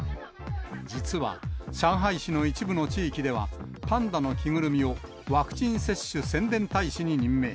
実は、上海市の一部の地域では、パンダの着ぐるみを、ワクチン接種宣伝大使に任命。